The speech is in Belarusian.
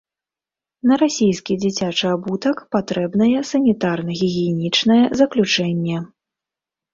На расійскі дзіцячы абутак патрэбнае санітарна-гігіенічнае заключэнне.